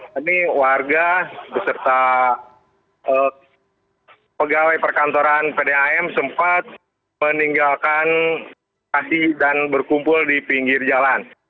ini warga beserta pegawai perkantoran kdam sempat meninggalkan kasi dan berkumpul di pinggir jalan